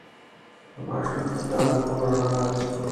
د ماشوم خندا د کور رڼا ده.